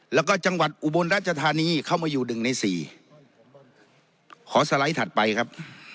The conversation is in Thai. แล้วก็จังหวัดอุบลรัชธานีเข้ามาอยู่หนึ่งในสี่ขอสไลด์ถัดไปครับ